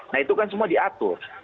nah itu kan semua diatur